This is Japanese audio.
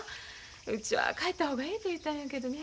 うちは帰った方がええて言うたんやけどね。